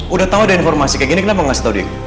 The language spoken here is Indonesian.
udah tau ada informasi kayak gini kenapa kasih tau diego